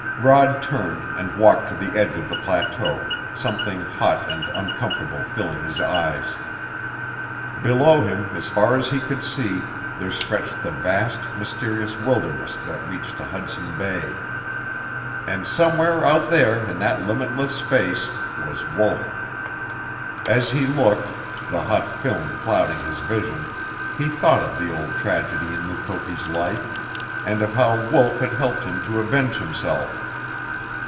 Rod turned and walked to the edge of the plateau, something hot and uncomfortable filling his eyes. Below him, as far as he could see, there stretched the vast, mysterious wilderness that reached to Hudson Bay. And somewhere out there in that limitless space was Wolf. As he looked, the hot film clouding his vision, he thought of the old tragedy in Mukoki's life, and of how Wolf had helped him to avenge himself.